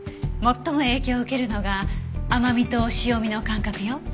最も影響を受けるのが甘味と塩味の感覚よ。